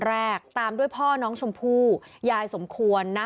ทั้งหลวงผู้ลิ้น